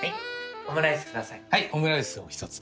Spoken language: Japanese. オムライスを１つではい。